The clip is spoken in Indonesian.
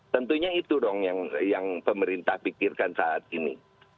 tentunya itu dong yang pemerintah pikirkan saat ini